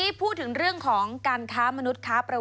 วันนี้พูดถึงเรื่องของการค้ามนุษย์ค้าประเวณีกันหน่อย